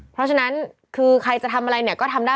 เพราะฉะนั้นคือใครจะทำอะไรเนี่ยก็ทำได้